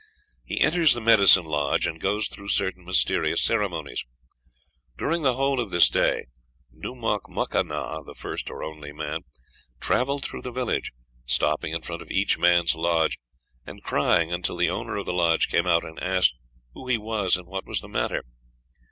He enters the medicine lodge, and goes through certain mysterious ceremonies. "During the whole of this day Nu mohk muck a nah (the first or only man) travelled through the village, stopping in front of each man's lodge, and crying until the owner of the lodge came out and asked who he was, and what was the matter?